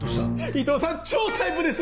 伊藤さん超タイプです